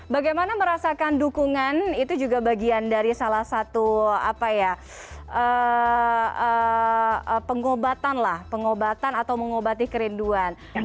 bagaimana merasakan dukungan itu juga bagian dari salah satu pengobatan lah pengobatan atau mengobati kerinduan